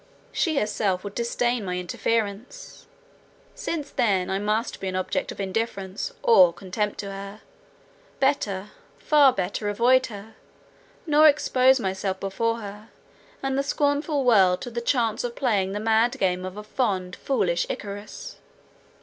She herself would disdain my interference. Since then I must be an object of indifference or contempt to her, better, far better avoid her, nor expose myself before her and the scornful world to the chance of playing the mad game of a fond, foolish Icarus.